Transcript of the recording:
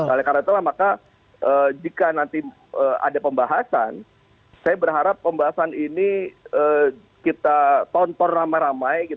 oleh karena itulah maka jika nanti ada pembahasan saya berharap pembahasan ini kita tonton ramai ramai